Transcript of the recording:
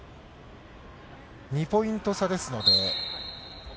２ポイント差ですので。